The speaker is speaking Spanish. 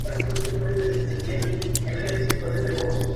Es el elemento activo situado en sitio central de equipamiento.